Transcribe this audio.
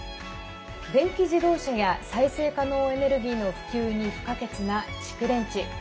電気自動車や再生可能エネルギーの普及に不可欠な蓄電池。